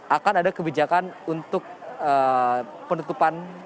akan ada kebijakan untuk penutupan